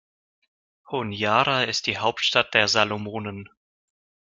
Honiara ist die Hauptstadt der Salomonen.